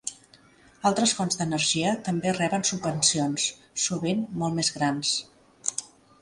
Altres fonts d'energia també reben subvencions, sovint molt més grans.